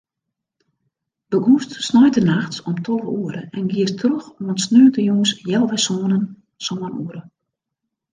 Begûnst sneintenachts om tolve oere en giest troch oant sneontejûns healwei sânen, sân oere.